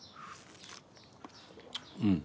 うん。